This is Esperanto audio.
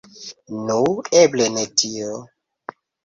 Nu, eble ne tio.